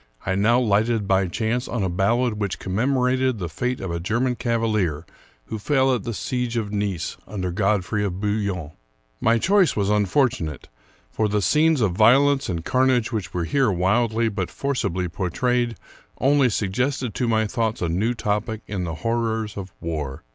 I now lighted by chance on a ballad which commemorated the fate of a German cavalier who fell at the siege of Nice under God frey of Bouillon. My choice was unfortunate ; for the scenes of violence and carnage which were here wildly but for cibly portrayed only suggested to my thoughts a new topic in the horrors of war.